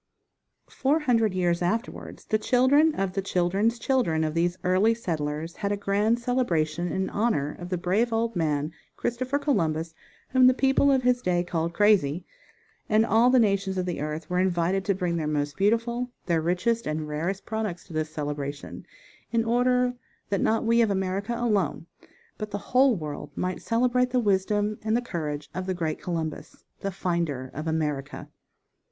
Four hundred years afterwards the children of the children's children of these early settlers, had a grand celebration in honor of the brave old man, Christopher Columbus, whom the people of his day called crazy, and all the nations of the earth were invited to bring their most beautiful, their richest and rarest products to this celebration, in order that not we of America alone, but _the whole world might celebrate the wisdom and the courage of the great Columbus, "the finder of America."